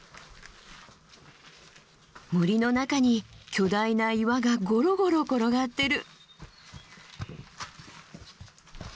森の中に巨大な岩がゴロゴロ転がってる。